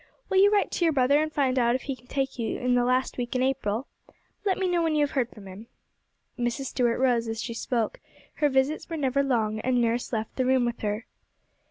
Will you write to your brother and find out if he can take you in the last week in April? Let me know when you have heard from him.' Mrs. Stuart rose as she spoke; her visits were never long, and nurse left the room with her.